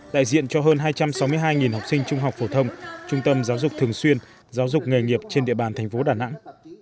đại diện cho hơn hai trăm sáu mươi hai học sinh trung học phổ thông trung tâm giáo dục thường xuyên giáo dục nghề nghiệp trên địa bàn thành phố đà nẵng